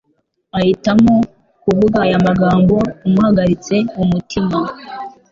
ahitamo kuvuga aya magambo amuhagaritse umutima